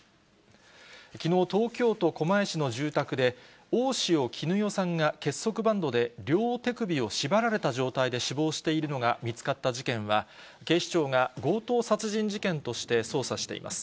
きのう、東京都狛江市の住宅で大塩衣与さんが結束バンドで両手首を縛られた状態で死亡しているのが見つかった事件は、警視庁が強盗殺人事件として捜査しています。